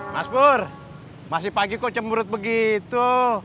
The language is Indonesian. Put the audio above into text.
mas pur masih pagi kok cemurut begitu